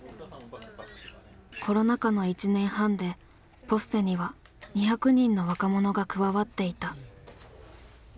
コロナ禍の１年半でＰＯＳＳＥには２００人の若者が加わっていた。